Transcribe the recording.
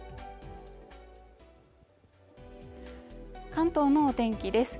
関東のお天気です。